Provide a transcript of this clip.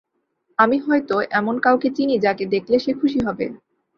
আমি হয়তো এমন কাউকে চিনি যাকে দেখলে সে খুশি হবে।